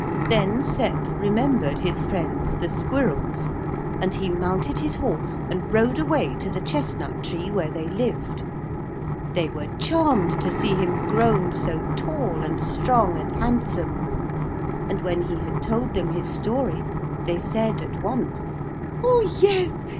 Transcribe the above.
Then Sep remembered his friends the squirrels, and he mounted his horse and rode away to the chestnut tree where they lived. They were charmed to see him grown so tall and strong and handsome, and when he had told them his story they said at once 'Oh yes!